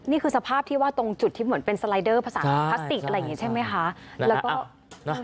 นี่คือสภาพที่ว่าตรงจุดที่เหมือนเป็นสไลเดอร์ภาษาพลาสติกอะไรอย่างนี้ใช่ไหมคะ